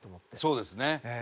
そうですね。